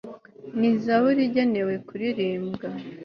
ni zaburi igenewe kuririmbwa